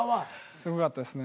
すごかったですね。